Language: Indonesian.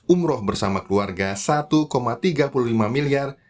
umroh bersama keluarga satu tiga puluh lima miliar